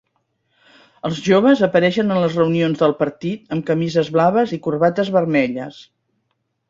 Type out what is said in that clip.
Els joves apareixien en les reunions del partit amb camises blaves i corbates vermelles.